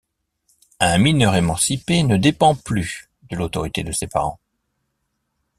Un mineur émancipé ne dépend plus de l'autorité de ses parents.